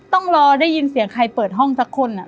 ต้องรอได้ยินเสียงใครเปิดห้องสักคน